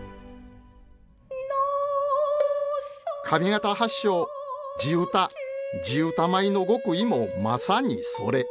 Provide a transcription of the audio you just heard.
上方発祥地唄地唄舞の極意もまさにそれ。